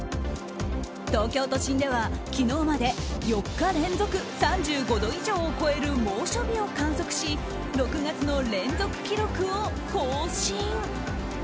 東京都心では、昨日まで４日連続３５度以上を超える猛暑日を観測し６月の連続記録を更新。